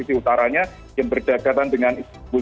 misalnya yang berdekatan dengan istimewa